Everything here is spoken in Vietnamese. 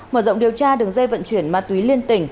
mở rộng điều tra đường dây vận chuyển ma túy liên tỉnh